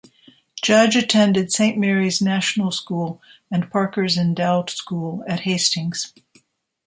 Judge attended Saint Mary's National School and Parker's Endowed School at Hastings.